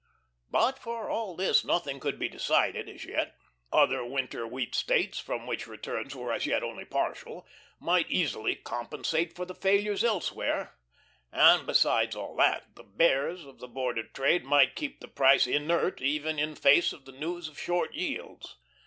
But, for all this, nothing could be decided as yet. Other winter wheat States, from which returns were as yet only partial, might easily compensate for the failures elsewhere, and besides all that, the Bears of the Board of Trade might keep the price inert even in face of the news of short yields.